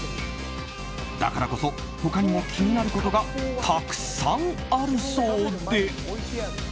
だからこそ他にも気になることがたくさんあるそうで。